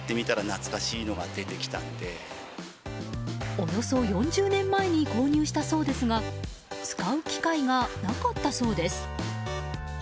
およそ４０年前に購入したそうですが使う機会がなかったそうです。